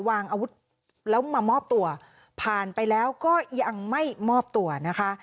วางอาวุธแล้วมามอบตัวผ่านไปแล้วก็ยังไม่มอบตัวนะคะ